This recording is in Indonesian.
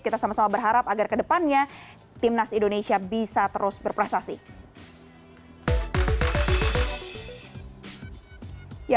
kita sama sama berharap agar kedepannya timnas indonesia bisa terus berprestasi